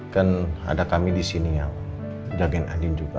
kan ada kami di sini yang jagain alin juga